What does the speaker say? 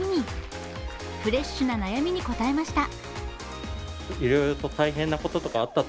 フレッシュな悩みに答えました。